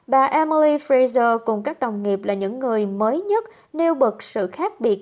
bà emi fraser cùng các đồng nghiệp là những người mới nhất nêu bật sự khác biệt